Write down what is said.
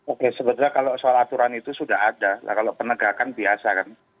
oke sebetulnya kalau soal aturan itu sudah ada kalau penegakan biasa kan